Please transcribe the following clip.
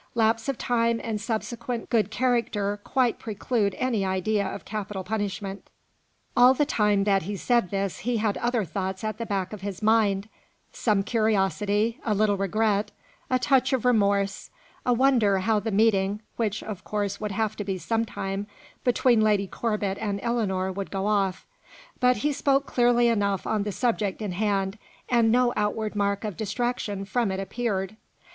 Lapse of time and subsequent good character quite preclude any idea of capital punishment." All the time that he said this he had other thoughts at the back of his mind some curiosity, a little regret, a touch of remorse, a wonder how the meeting (which, of course, would have to be some time) between Lady Corbet and Ellinor would go off; but he spoke clearly enough on the subject in hand, and no outward mark of distraction from it appeared.